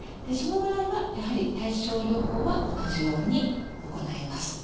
その場合はやはり対症療法は同じように行います。